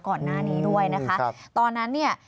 ก่อนหน้านี้ด้วยนะคะ